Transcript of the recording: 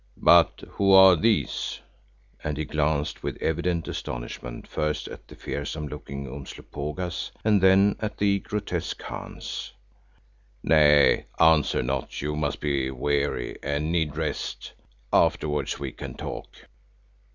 "But who are these?" and he glanced with evident astonishment, first at the fearsome looking Umslopogaas and then at the grotesque Hans. "Nay, answer not, you must be weary and need rest. Afterwards we can talk."